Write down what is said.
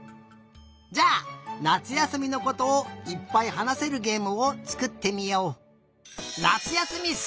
じゃあなつやすみのことをいっぱいはなせるげえむをつくってみよう。